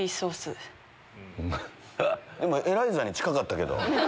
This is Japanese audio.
⁉エライザに近かったけど。